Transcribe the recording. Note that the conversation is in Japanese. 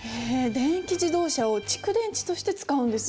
電気自動車を蓄電池として使うんですね。